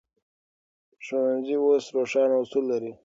ښوونځي اوس روښانه اصول لري.